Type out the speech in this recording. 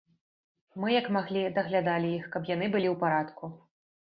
Мы, як маглі, даглядалі іх, каб яны былі ў парадку.